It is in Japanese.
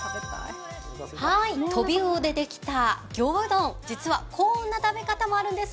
トビウオでできた魚うどんこんな食べ方もあるんです。